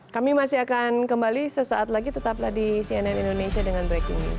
kami masih akan kembali sesaat lagi tetaplah di cnn indonesia dengan breaking news